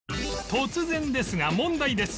突然ですが問題です